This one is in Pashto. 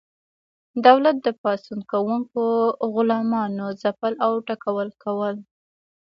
دولت د پاڅون کوونکو غلامانو ځپل او ټکول کول.